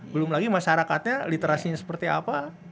belum lagi masyarakatnya literasinya seperti apa